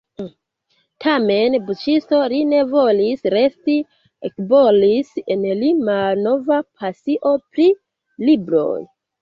Tamen buĉisto li ne volis resti: ekbolis en li malnova pasio pri libroj.